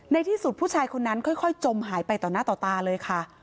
ในที่สุดผู้ชายคนนั้นค่อยจมหายไปต่อหน้าต่อตาเลยค่ะ